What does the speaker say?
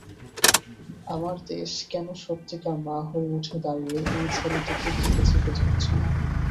আমার দেশ কেন সত্যিকার মা হয়ে উঠে দাঁড়িয়ে এই ছেলেটিকে বুকে চেপে ধরছে না?